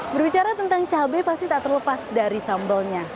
berbicara tentang cabai pasti tak terlepas dari sambalnya